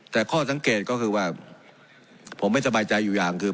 แต่ข้อสังเกตก็คือว่าผมไม่สบายใจอยู่อย่างคือ